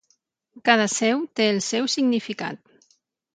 Cada seu té el seu significat.